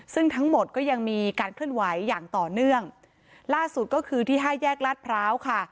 ซึ่งทั้งหมดก็ยังมีการเคลื่อนไหวอย่างต่อเนื่องล่าสุดก็คือที่ห้าแยกลาดพร้าวค่ะ